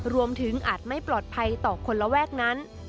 รวมถึงอาจไม่ปลอดภัยต่อคนละแวกนั้น